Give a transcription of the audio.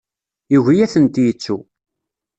Yugi ad tent-yettu.